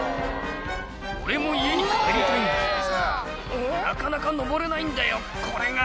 「俺も家に帰りたいんだけどさなかなか登れないんだよこれが」